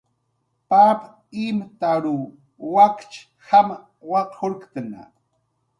Pap imtaruw wakch jam waqurktna